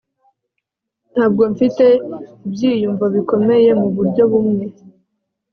Ntabwo mfite ibyiyumvo bikomeye muburyo bumwe